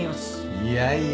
いやいや